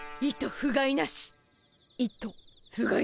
ふがいなし。